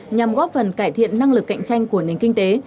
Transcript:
nhằm góp phần cải thiện năng lực cạnh tranh của nền kinh tế